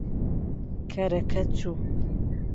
کەرەکە چوو.